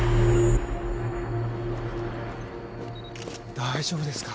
大丈夫ですか？